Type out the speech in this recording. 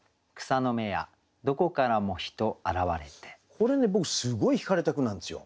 これね僕すごいひかれた句なんですよ。